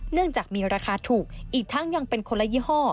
เนื่องจากมีราคาถูกอีกทั้งยังเป็นคนละยี่ห้อ